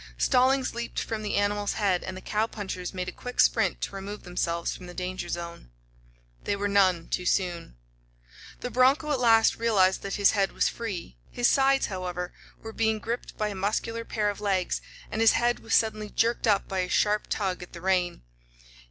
Stallings leaped from the animal's head and the cowpunchers made a quick sprint to remove themselves from the danger zone. They were none too soon. The broncho at last realized that his head was free. His sides, however, were being gripped by a muscular pair of legs, and his head was suddenly jerked up by a sharp tug at the rein.